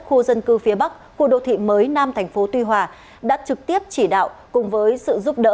khu dân cư phía bắc khu đô thị mới nam thành phố tuy hòa đã trực tiếp chỉ đạo cùng với sự giúp đỡ